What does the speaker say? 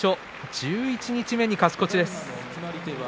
十一日目に勝ち越しです。